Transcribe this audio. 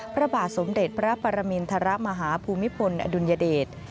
พระบาทสมเด็จพระปรมินทรมาฮภูมิพลอดุลยเดช